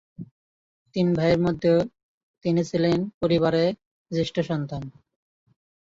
তিন ভাইয়ের মধ্যে তিনি ছিলেন পরিবারে জ্যেষ্ঠ সন্তান।